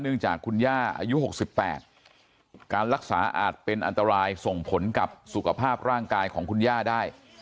จากคุณย่าอายุ๖๘การรักษาอาจเป็นอันตรายส่งผลกับสุขภาพร่างกายของคุณย่าได้